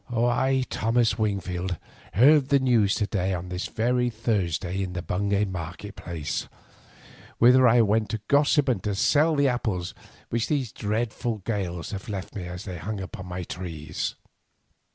I, Thomas Wingfield, heard the news to day on this very Thursday in the Bungay market place, whither I went to gossip and to sell the apples which these dreadful gales have left me, as they hang upon my trees.